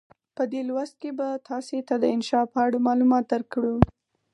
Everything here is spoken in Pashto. په دې لوست کې به تاسې ته د انشأ په اړه معلومات درکړو.